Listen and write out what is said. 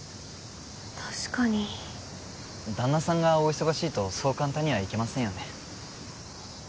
確かに旦那さんがお忙しいとそう簡単には行けませんよね